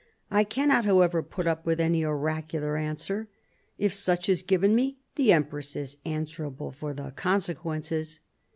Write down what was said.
I cannot, however, put up with any oracular answer. If such is given me, the empress is answerable for the consequences."